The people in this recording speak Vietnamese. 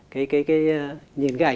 cái nhìn cái ảnh